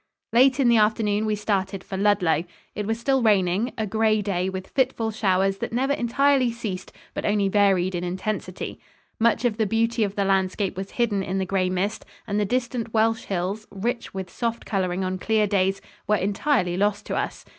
Late in the afternoon we started for Ludlow. It was still raining a gray day with fitful showers that never entirely ceased but only varied in intensity. Much of the beauty of the landscape was hidden in the gray mist, and the distant Welsh hills, rich with soft coloring on clear days, were entirely lost to us.